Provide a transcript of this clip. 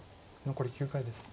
残り９回です。